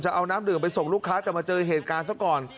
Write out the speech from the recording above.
เอาน้ำดื่มไปส่งลูกค้าแต่มาเจอเหตุการณ์ซะก่อน